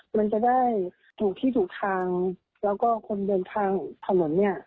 มันจะได้ถูกที่ถูกทางแล้วก็คนเดินทางถนนเนี่ย